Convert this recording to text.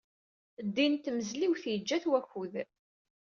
Ddin n tmezliwt yeǧǧa-t wakud!